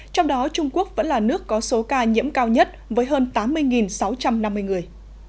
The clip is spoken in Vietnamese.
trong đó trung quốc vẫn là nước có số ca nhiễm cao nhất với hơn tám mươi sáu trăm năm mươi người